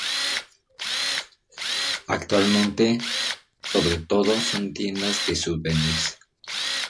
Actualmente, sobre todo son tiendas de souvenirs.